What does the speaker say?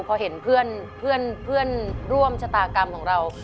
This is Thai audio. พอเห็นเพื่อนร่วมชะตากรรมของเรา